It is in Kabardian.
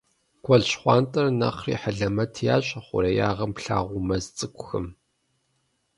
Гуэл ЩхъуантӀэр нэхъри хьэлэмэт ящӀ хъуреягъым плъагъу мэз цӀыкӀухэм.